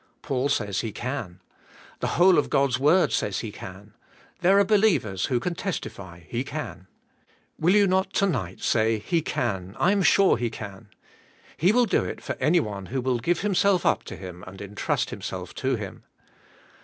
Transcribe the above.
Paul says He can; the whole of God's word says He can; there are believers who can testify He can. Will you not, to nig ht, say, "He can, I am sure He can?" He will do it for anyone who will give himself up to Him and entrust himself to Him.